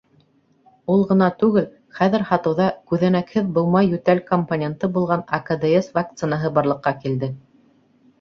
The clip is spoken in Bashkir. Ул ғына түгел, хәҙер һатыуҙа «күҙәнәкһеҙ быума йүтәл компоненты» булған АКДС вакцинаһы барлыҡҡа килде.